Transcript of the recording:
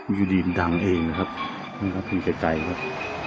วิวดีมดังเองนะครับนี่ครับมีใกล้ใกล้ครับ